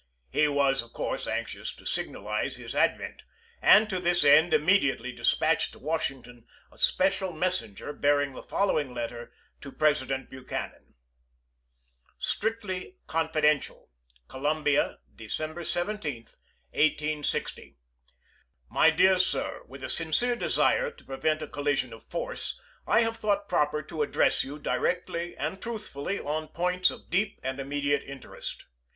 He was, of course, anxious to signalize his advent ; and to this end immediately dispatched to Washington a special messenger, bearing the following letter to Presi dent Buchanan : (Strictly confidential.) Columbia, December 17, 1860. My Dear Sir : With a sincere desire to prevent a collision of force, I have thought proper to address you directly and truthfully on points of deep and immediate interest.